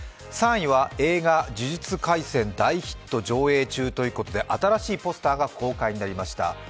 ３位は映画「呪術廻戦」大ヒット上映中ということで、新しいポスターが公開になりました。